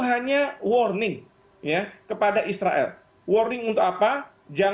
apakah monumentalnya israel menangkandu el haraq melihime ini